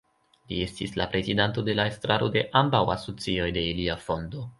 Li estis la prezidanto de la estraro de ambaŭ asocioj de ilia fondo.